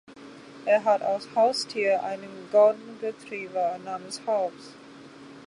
Er hat als Haustier einen Golden Retriever namens „Hobbes“.